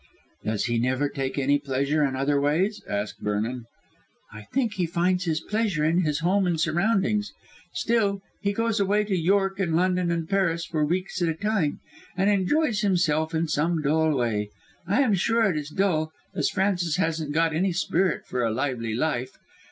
"Does he never take any pleasure in other ways?" asked Vernon. "I think he finds his pleasure in his home and surroundings. Still, he goes away to York and London and Paris for weeks at a time, and enjoys himself in some dull way. I am sure it is dull, as Francis hasn't got any spirit for a lively life.